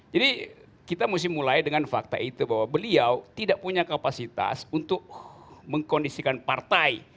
jadi kita mesti mulai dengan fakta itu bahwa beliau tidak punya kapasitas untuk mengkondisikan partai